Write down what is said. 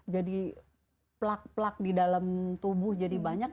jadi plak plak di dalam tubuh jadi banyak